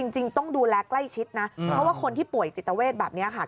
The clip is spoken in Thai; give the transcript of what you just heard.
จริงต้องดูแลใกล้ชิดนะเพราะว่าคนที่ป่วยจิตเวทแบบนี้ค่ะ